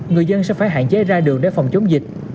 người dân sẽ phải hạn chế ra đường để phòng chống dịch